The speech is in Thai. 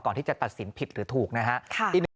ที่จะตัดสินผิดหรือถูกนะฮะ